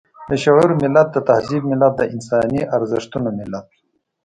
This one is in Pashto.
د شعور ملت، د تهذيب ملت، د انساني ارزښتونو ملت.